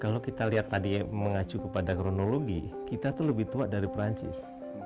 kalau kita lihat tadi mengacu kepada kronologi kita tuh lebih tua dari perancis